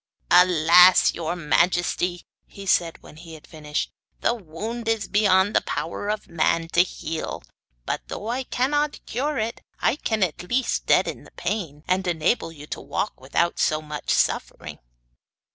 'Alas! your majesty,' he said, when he had finished, 'the wound is beyond the power of man to heal; but though I cannot cure it, I can at least deaden the pain, and enable you to walk without so much suffering.